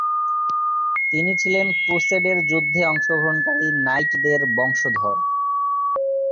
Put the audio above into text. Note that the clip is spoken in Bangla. তিনি ছিলেন ক্রুসেডের যুদ্ধে অংশগ্রহণকারী নাইটদের বংশধর।